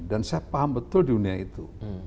dan saya paham betul dunia itu